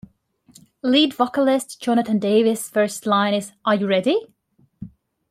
Lead vocalist Jonathan Davis' first line is Are you ready?!